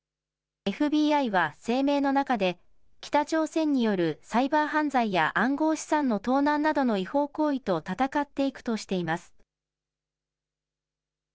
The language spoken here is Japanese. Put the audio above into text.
ＦＢＩは声明の中で、北朝鮮によるサイバー犯罪や暗号資産の盗難などの違法行為と闘っていくとしています。